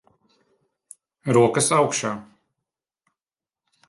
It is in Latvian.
Rokas augšā.